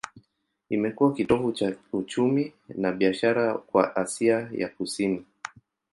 Imekuwa kitovu cha uchumi na biashara kwa Asia ya Kusini.